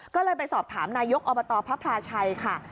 ก็เลยไปสอบถามนายกอบตพระพลาชัยค่ะ